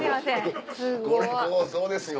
これそうですよ